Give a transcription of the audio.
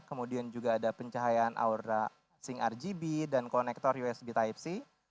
kemudian juga ada pencahayaan aura sync rgb dan konektor usb type c